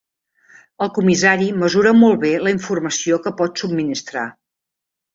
El comissari mesura molt bé la informació que pot subministrar.